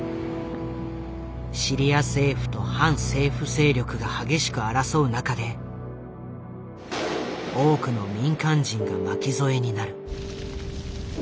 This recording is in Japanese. シリア政府と反政府勢力が激しく争う中で多くの民間人が巻き添えになる。